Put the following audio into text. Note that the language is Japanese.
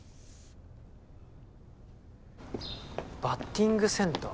バッティングセンター？